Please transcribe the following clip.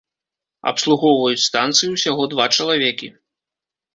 Абслугоўваюць станцыю ўсяго два чалавекі.